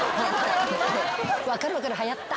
分かる分かるはやった。